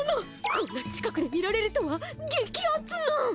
こんな近くで見られるとは激アツな！